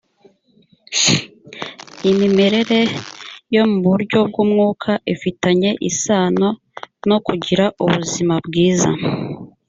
imimerere yo mu buryo bw umwuka ifitanye isano no kugira ubuzima bwiza